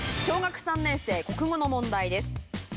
小学３年生国語の問題です。